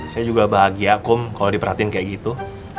saya juga bahagia kum kalau diperhatiin kayak gitu